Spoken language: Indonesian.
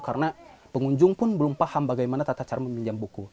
karena pengunjung pun belum paham bagaimana tata cara meminjam buku